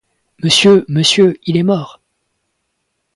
Monsieur, monsieur, il est mort!